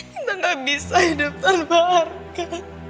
kita tidak bisa hidup tanpa harta